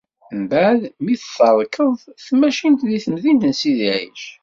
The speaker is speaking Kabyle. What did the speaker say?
Mbeɛd mi t-terkeḍ tmacint deg temdint n Sidi Ɛic.